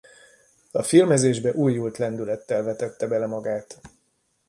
A filmezésbe újult lendülettel vetette bele magát.